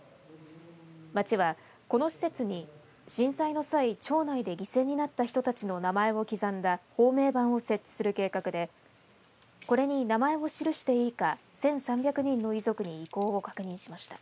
町は、この施設に震災の際、町内で犠牲になった人たちの名前を刻んだ芳名板を設置する計画でこれに名前を記していいか１３００人の遺族に意向を確認しました。